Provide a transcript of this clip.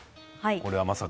これはまさか。